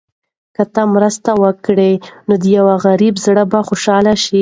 که ته مرسته وکړې، نو د یو غریب زړه به خوشحاله شي.